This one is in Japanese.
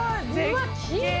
きれい！